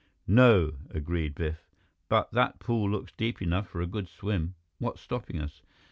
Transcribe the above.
"No," agreed Biff. "But that pool looks deep enough for a good swim. What's stopping us?"